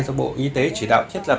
do bộ y tế chỉ đạo thiết lập